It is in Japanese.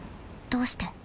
どうして？